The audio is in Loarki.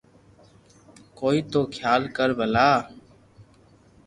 ڪوئي تو خيال ڪر ڀلا